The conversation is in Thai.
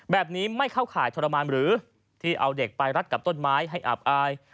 แบบนี้ไม่เข้าข่ายทรมานหรือที่เอาเด็กไปรัดกับต้นไม้ให้อับอาย